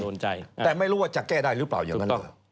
แต่ไม่รู้ว่าจะแก้ได้หรือเปล่าอย่างนั้น